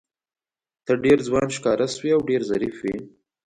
ته ډېر ځوان ښکاره شوې او ډېر ظریف وې.